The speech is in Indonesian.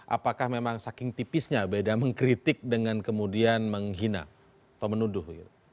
apakah memang saking tipisnya beda mengkritik dengan kemudian menghina atau menuduh